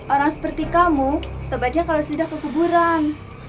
orang seperti kamu sebaiknya kalau sudah kekuburan